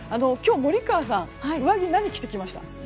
今日、森川さんは上着、何着てきましたか？